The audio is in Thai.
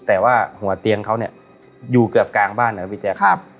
แต่ว่าหัวเตียงเขาเนี่ยอยู่เกือบกลางบ้านนะพี่แจ๊ค